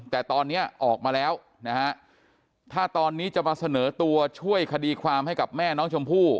แต่ตอนนี้ออกมาแล้วนะฮะถ้าตอนนี้จะมาเสนอตัวช่วยคดีความให้กับแม่น้องชมพู่